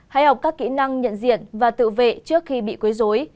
hãy học các kỹ năng nhận diện và tự vệ trước khi bị quấy dối